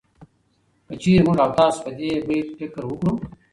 که چېرې موږ او تاسو په دې بيت فکر وکړو